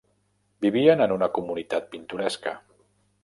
Vivien en una comunitat pintoresca.